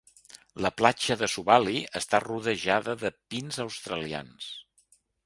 La platja de Suvali està rodejada de pins australians.